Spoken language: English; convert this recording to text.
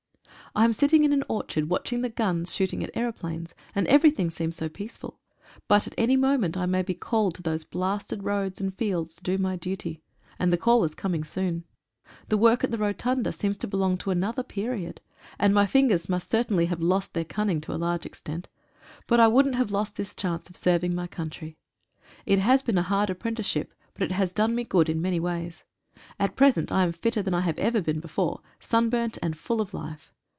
I am sitting in an orchard watching the guns shooting at aeroplanes, and every thing seems so peaceful. But at any moment I may be called to those blasted roads and fields to do my duty, and the call is coming soon. The work at the Rotunda seems to belong to another period, and my fingers must certainly have lost their cunning to a large extent — but I wouldn't have lost this chance of serving my country. It has been a hard apprenticeship, but it has done me good in many ways. At present I am fitter than I have ever been before — sunburnt and full of life.